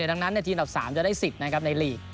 ดังนั้นทีหลับ๓จะได้๑๐นะครับในลีก